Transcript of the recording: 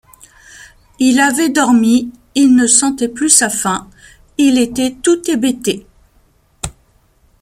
Il avait dormi, il ne sentait plus sa faim ; il était tout hébété.